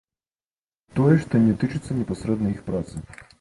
Тое, што не тычыцца непасрэдна іх працы.